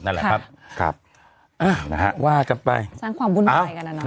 นั่นแหละครับครับอ้าวว่ากันไปสร้างความบุญใหม่กันอ่ะอ้าว